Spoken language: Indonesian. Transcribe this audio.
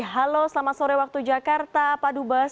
halo selamat sore waktu jakarta pak dubas